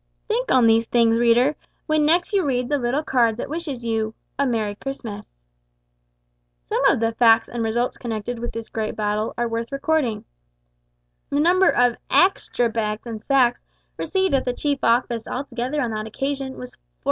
Think on these things, reader, when next you read the little card that wishes you "a merry Christmas!" Some of the facts and results connected with this great battle are worth recording. The number of extra bags and sacks received at the chief office altogether on that occasion was 1401.